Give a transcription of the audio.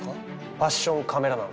ファッションカメラマン。